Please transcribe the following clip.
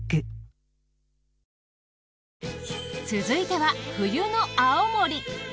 続いては冬の青森。